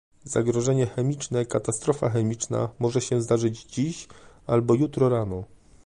Zagrożenie chemiczne, katastrofa chemiczna może się zdarzyć dziś albo jutro rano